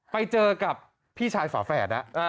ไปเจอกับพี่ชายฝาแฝด